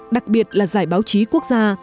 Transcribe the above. đặc biệt là giải báo chí quốc gia